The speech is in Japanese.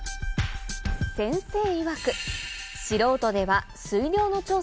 先生いわく